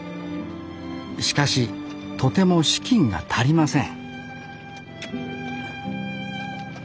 しかしとても資金が足りません